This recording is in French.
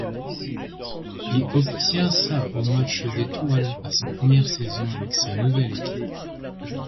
Il obtient sa au match d'étoiles à sa première saison avec sa nouvelle équipe.